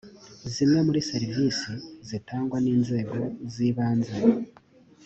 zimwe mur serivisi zitangwa n inzego z ibanze